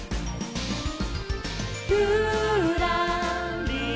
「ぴゅらりら」